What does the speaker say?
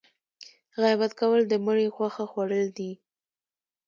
غیبت کول د مړي غوښه خوړل دي